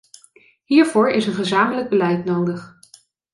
Hiervoor is een gezamenlijk beleid nodig.